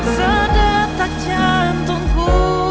sedetak jantung ku